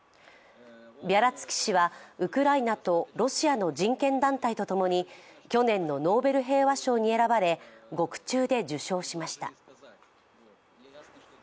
ビャリャツキ氏はウクライナとロシアの人権団体と共に去年のノーベル平和賞に選ばれ獄中で受賞しました。